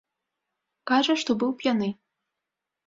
Кажа, што быў п'яны.